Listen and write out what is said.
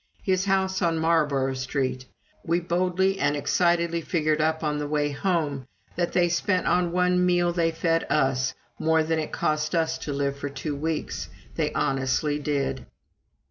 His house on Marlborough Street! We boldly and excitedly figured up on the way home, that they spent on the one meal they fed us more than it cost us to live for two weeks they honestly did.